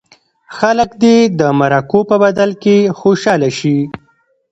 خلک دې د مرکو په بدل کې خوشاله شي.